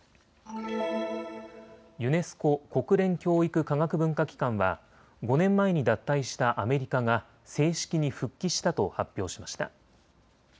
ユネスコ・国連教育科学文化機関は５年前に脱退したアメリカが正式に復帰したと発表しました。